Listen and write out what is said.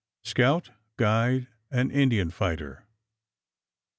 SCOUT, GUIDE, AND INDIAN FIGHTER.